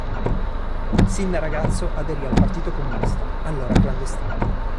Sin da ragazzo aderì al Partito Comunista, allora clandestino.